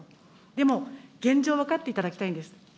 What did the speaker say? でも、現状分かっていただきたいんです。